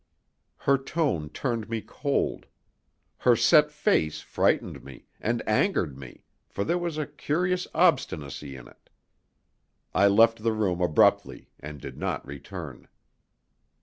Her tone turned me cold. Her set face frightened me, and angered me, for there was a curious obstinacy in it. I left the room abruptly, and did not return.